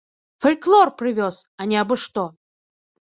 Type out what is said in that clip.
Фальклор прывёз, а не абы-што!